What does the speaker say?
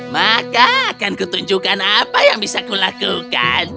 maka akan kutunjukkan apa yang bisa kulakukan